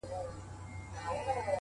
o زلفي يې زما پر سر سايه جوړوي ـ